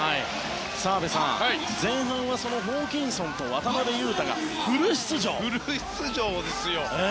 澤部さん、前半はホーキンソンと渡邊雄太がフル出場でしたね。